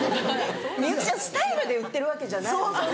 幸ちゃんスタイルで売ってるわけじゃないもんね。